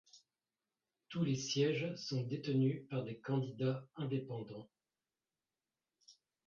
Tous les sièges sont détenus par des candidats indépendants.